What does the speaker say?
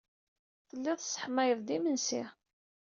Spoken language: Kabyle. Telliḍ tesseḥmayeḍ-d imensi.